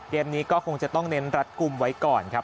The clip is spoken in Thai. เกมนี้ก็คงจะต้องเน้นรัดกลุ่มไว้ก่อนครับ